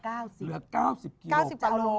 ๙๐กว่าโลกรัม